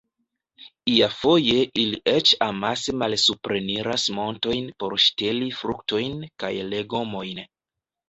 Iafoje ili eĉ amase malsupreniras montojn por ŝteli fruktojn kaj legomojn.